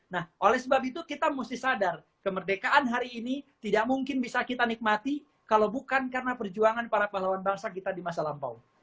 nah oleh sebab itu kita mesti sadar kemerdekaan hari ini tidak mungkin bisa kita nikmati kalau bukan karena perjuangan para pahlawan bangsa kita di masa lampau